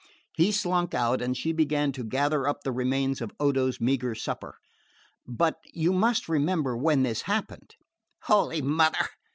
He slunk out and she began to gather up the remains of Odo's meagre supper. "But you must remember when this happened." "Holy Mother!